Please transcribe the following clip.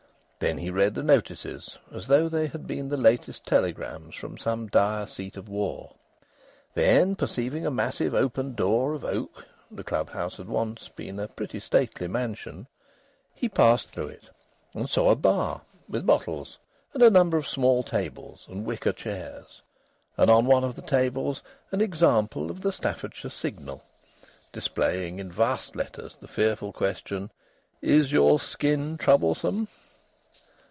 Then he read the notices, as though they had been latest telegrams from some dire seat of war. Then, perceiving a massive open door of oak (the club house had once been a pretty stately mansion), he passed through it, and saw a bar (with bottles) and a number of small tables and wicker chairs, and on one of the tables an example of the Staffordshire Signal displaying in vast letters the fearful question: "Is your skin troublesome?"